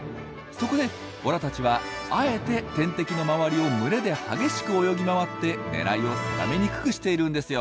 そこでボラたちはあえて天敵の周りを群れで激しく泳ぎ回って狙いを定めにくくしているんですよ。